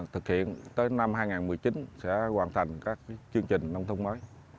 thực hiện tới năm hai nghìn một mươi chín sẽ hoàn thành các chương trình nông thôn mới